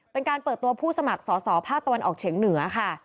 เป็นการเปิดตัวผู้สมัครสอสอภาคตะวันออกเฉียงเหนือค่ะ